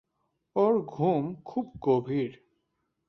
ওর ঘুম খুব গভীর।